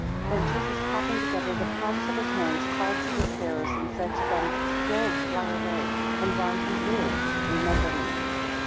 8 Then Jesus clapping together the palms of his hands, called to the sparrows, and said to them Go, fly away; and while ye live remember me.